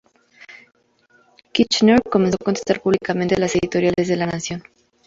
Kirchner comenzó a contestar públicamente las editoriales de La Nación.